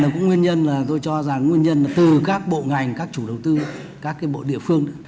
cái này là nguyên nhân từ các bộ ngành các chủ đầu tư các bộ địa phương